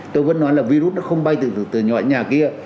tôi vẫn nói là virus nó không bay từ nhỏ nhà kia